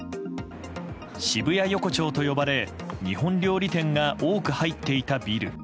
渋谷横丁と呼ばれ日本料理店が多く入っていたビル。